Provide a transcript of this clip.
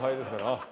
あっ。